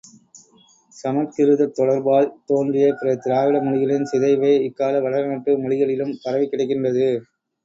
சமற்கிருதத் தொடர்பால் தோன்றிய பிற திரவிட மொழிகளின் சிதைவே இக்கால வடநாட்டு மொழிகளிலும் பரவிக் கிடக்கின்றது.